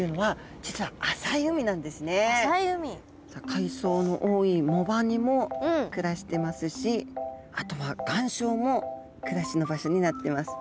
海藻の多い藻場にも暮らしてますしあとは岩礁も暮らしの場所になってます。